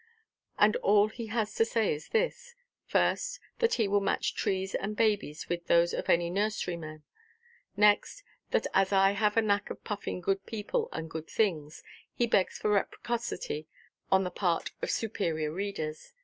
And all he has to say is this: first, that he will match trees and babies with those of any nurseryman; next, that as I have a knack of puffing good people and good things, he begs for reciprocity on the part of superior readers.